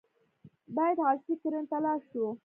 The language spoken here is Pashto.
باید عصري کرنې ته لاړ شو.